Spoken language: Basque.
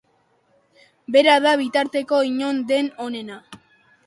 Bera da bitarteko inon den onena.